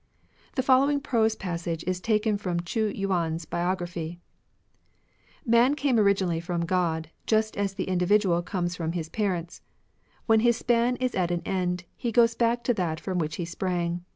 The following prose passage is taken from Ch'ii Yiian's biography :— ''Man came originally from God, just as the individual comes from his parents. When his span is at an end, he goes back to that from which he sprang.